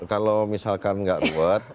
kalau misalkan enggak ruwet